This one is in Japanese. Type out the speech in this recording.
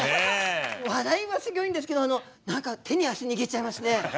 笑いもすギョいんですけど何か手に汗握っちゃいますね。